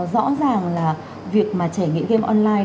rõ ràng là việc mà trẻ nghiện game online